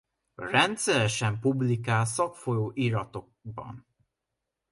Rendszeresen publikál szakfolyóiratokban.